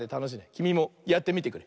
きみもやってみてくれ！